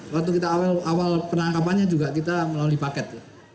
waktu kita awal penangkapannya juga kita melalui paket